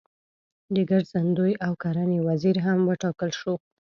د ګرځندوی او کرنې وزیر هم وټاکل شول.